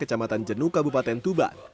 kecamatan jenukabupaten tuban